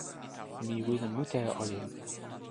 mi wile mute e olin.